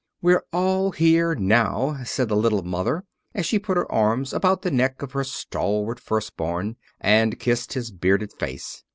"We're all here now," said the little mother, as she put her arms about the neck of her stalwart firstborn and kissed his bearded face.